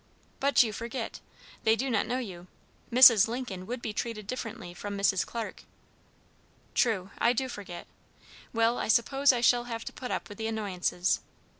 "But you forget. They do not know you. Mrs. Lincoln would be treated differently from Mrs. Clarke." "True, I do forget. Well, I suppose I shall have to put up with the annoyances.